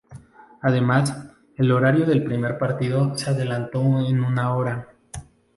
Además, el horario del primer partido se adelantó en una hora.